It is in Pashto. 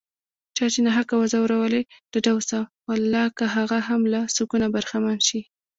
چا چې ناحقه وځورولي، ډاډه اوسه والله که هغه هم له سکونه برخمن شي